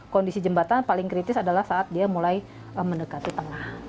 kondisi jembatan paling kritis adalah saat dia mulai mendekati tengah